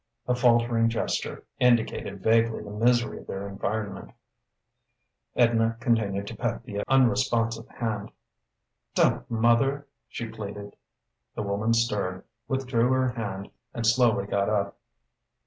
A faltering gesture indicated vaguely the misery of their environment. Edna continued to pet the unresponsive hand. "Don't, mother!" she pleaded. The woman stirred, withdrew her hand, and slowly got up.